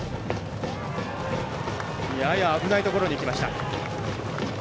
やや危ないところにいきました。